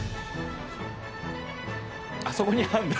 あそこに貼るんだ？